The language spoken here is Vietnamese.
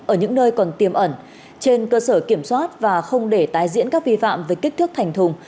ở những nơi còn tiềm ẩn trên cơ sở kiểm soát và không để tái diễn các vi phạm về kích thước thành thùng